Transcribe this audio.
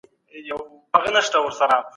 کيفي شاخصونه هم د پرمختيا په تعريف کي شامل سول.